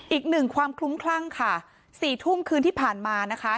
อีกหนึ่งความคลุ้มคลั่งค่ะ๔ทุ่มคืนที่ผ่านมานะคะ